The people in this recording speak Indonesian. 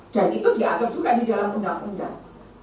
dan itu diatur juga di dalam undang undang